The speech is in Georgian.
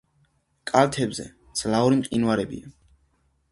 კალთებზე მძლავრი მყინვარებია.